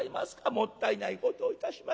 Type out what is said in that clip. もったいないことをいたしました。